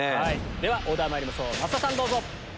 ではオーダーまいりましょう増田さんどうぞ。